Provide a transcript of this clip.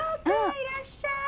いらっしゃい。